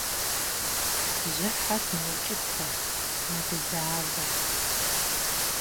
Бжьыхьэр мэукӏытэ, мэгузавэ.